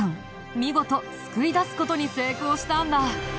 見事救い出す事に成功したんだ！